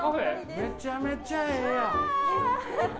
めちゃめちゃええやん。